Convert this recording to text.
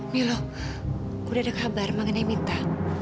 milo udah ada kabar mengenai minta